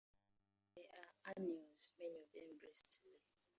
They are annuals, many of them bristly.